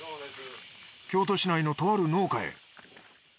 京都市内のとある農家へ。